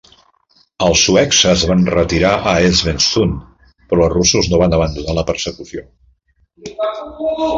Els suecs es van retirar a Svensksund, però els russos no van abandonar la persecució.